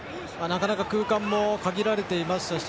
なかなか空間も限られていましたし